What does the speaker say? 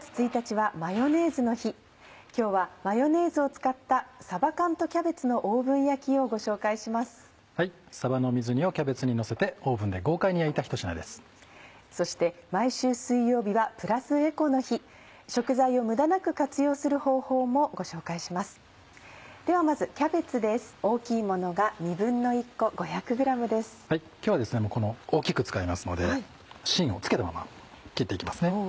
はい今日はですね大きく使いますので芯を付けたまま切っていきますね。